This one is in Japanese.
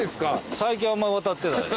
最近あんま渡ってない。